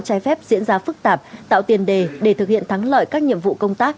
trái phép diễn ra phức tạp tạo tiền đề để thực hiện thắng lợi các nhiệm vụ công tác